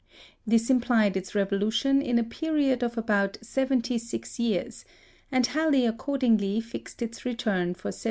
This implied its revolution in a period of about seventy six years, and Halley accordingly fixed its return for 1758 9.